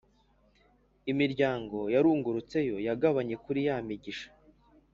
imiryango yarungurutseyo yagabanye kuri ya migisha